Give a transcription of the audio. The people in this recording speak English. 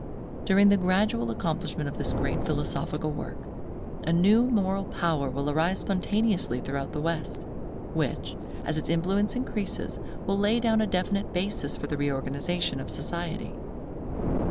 During the gradual accomplishment of this great philosophical work, a new moral power will arise spontaneously throughout the West, which, as its influence increases, will lay down a definite basis for the reorganization of society.